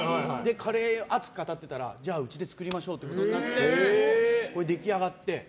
カレーを熱く語っていたらじゃあうちで作りましょうってなって出来上がって。